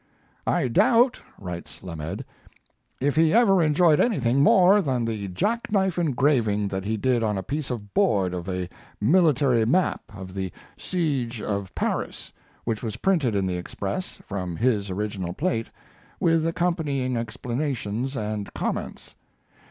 "I doubt," writes Lamed, "if he ever enjoyed anything more than the jackknife engraving that he did on a piece of board of a military map of the siege of Paris, which was printed in the Express from his original plate, with accompanying explanations and comments.